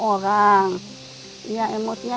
pertanda betul angk conferences lainnya